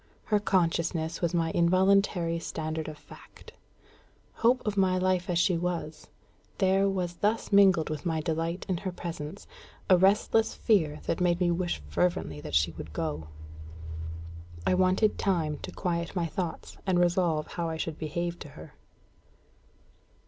Her consciousness was my involuntary standard of fact. Hope of my life as she was, there was thus mingled with my delight in her presence a restless fear that made me wish fervently that she would go. I wanted time to quiet my thoughts and resolve how I should behave to her.